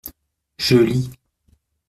Je lis.